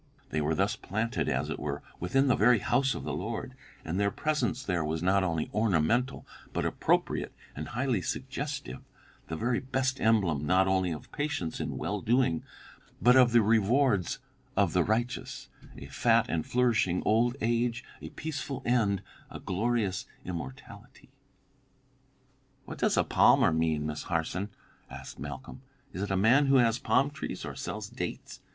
'They were thus planted, as it were, within the very house of the Lord; and their presence there was not only ornamental, but appropriate and highly suggestive the very best emblem not only of patience in well doing, but of the rewards of the righteous, a fat and flourishing old age, a peaceful end, a glorious immortality.'" "What does a 'palmer' mean, Miss Harson?" asked Malcolm. "Is it a man who has palm trees or who sells dates?